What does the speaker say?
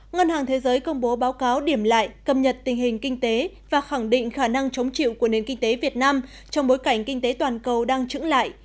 ngân hàng thế giới công bố báo cáo điểm lại cập nhật tình hình kinh tế và khẳng định khả năng chống chịu của nền kinh tế việt nam trong bối cảnh kinh tế toàn cầu đang trứng lại